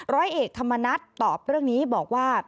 ร้อยเอกธรรมนัฐตอบเรื่องนี้บอกว่า